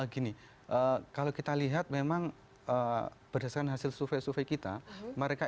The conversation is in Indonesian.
gini kalau kita lihat memang berdasarkan hasil survei survei kita